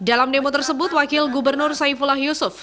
dalam demo tersebut wakil gubernur saifullah yusuf